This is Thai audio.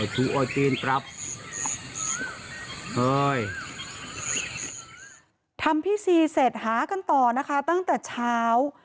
ทำพิธีเสร็จหากันต่อนะคะตั้งแต่เช้า